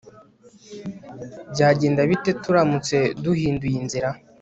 byagenda bite turamutse duhinduye inzira